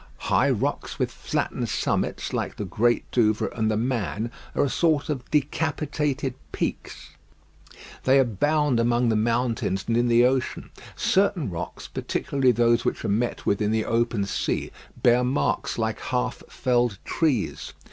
High rocks with flattened summits, like the Great Douvre and "The Man," are a sort of decapitated peaks. They abound among the mountains and in the ocean. Certain rocks, particularly those which are met with in the open sea, bear marks like half felled trees.